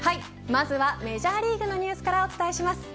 まずはメジャーリーグのニュースからお伝えします。